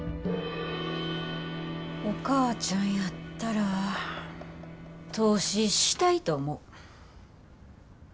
お母ちゃんやったら投資したいと思う。